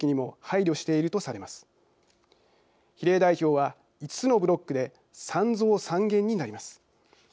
比例代表は５つのブロックで３増３減になります。